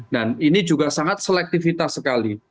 dan ini juga sangat selektifitas sekali